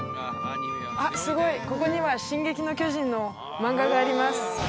あっすごいここには「進撃の巨人」の漫画があります